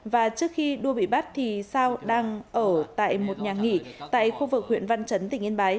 và trước khi đua bị bắt thì sao đang ở tại một nhà nghỉ tại khu vực huyện văn chấn tỉnh yên bái